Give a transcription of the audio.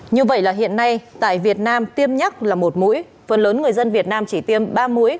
như vậy là hiện nay tại việt nam tiêm nhắc là một mũi phần lớn người dân việt nam chỉ tiêm ba mũi